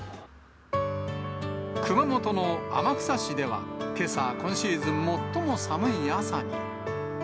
熊本の天草市ではけさ、今シーズン最も寒い朝に。